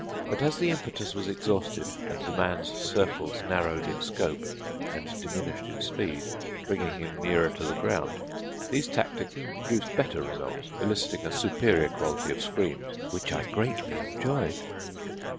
But as the impetus was exhausted and the man's circles narrowed in scope and diminished in speed, bringing him nearer to the ground, these tactics produced better results, eliciting a superior quality of screams, which I greatly enjoyed.